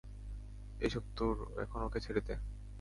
এইসব তোর, এখন ওকে ছেড়ে দে।